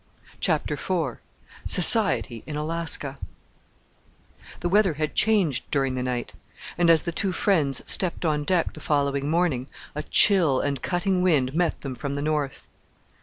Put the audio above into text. CHAPTER IV SOCIETY IN ALASKA The weather had changed during the night; and as the two friends stepped on deck the following morning a chill and cutting wind met them from the north.